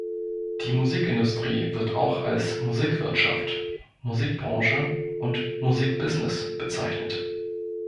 Die Musikindustrie wird auch als „Musikwirtschaft“, „Musikbranche“ und „Musikbusiness“ bezeichnet.